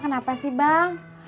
kenapa sih bang